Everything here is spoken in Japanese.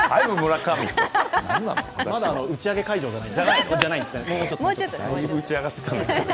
まだ打ち上げ会場じゃない。